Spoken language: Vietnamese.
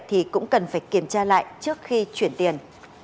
thì cũng cần phải kiểm tra lại trước khi chuyển tiền